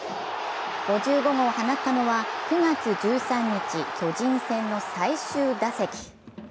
５５号を放ったのは９月１３日、巨人戦の最終打席。